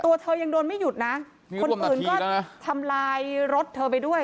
ตัวเธอยังโดนไม่หยุดนะคนอื่นก็ทำลายรถเธอไปด้วย